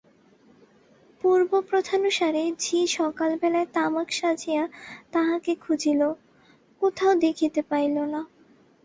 পূর্বপ্রথানুসারে ঝি সকালবেলায় তামাক সাজিয়া তাঁহাকে খুঁজিল, কোথাও দেখিতে পাইল না।